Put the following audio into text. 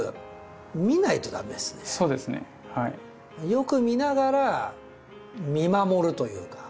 よく見ながら見守るというか。